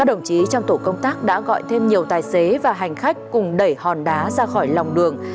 trong tổ công tác đã gọi thêm nhiều tài xế và hành khách cùng đẩy hòn đá ra khỏi lòng đường